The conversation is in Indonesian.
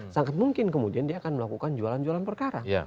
sangat mungkin kemudian dia akan melakukan jualan jualan perkara